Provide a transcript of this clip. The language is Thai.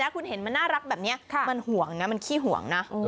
คุณเห็นมันน่ารักแบบนี้มันห่วงนะมันขี้ห่วงนะ